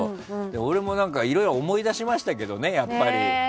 俺もいろいろ思い出しましたけどね、やっぱり。